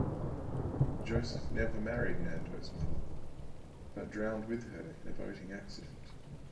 Joseph never married Nando's mother but drowned with her in a boating accident.